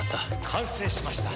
完成しました。